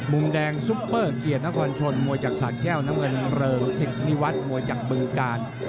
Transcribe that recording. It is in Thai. มุมแดงซุปเปอร์เกียรตินครชนมวยจากสาแก้วน้ำเงินเริงสิงสนิวัตรมวยจากบึงกาล